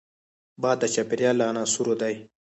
باد د چاپېریال له عناصرو دی